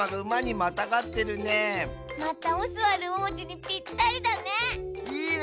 またオスワルおうじにぴったりだね！